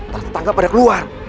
tak tertangkap pada keluar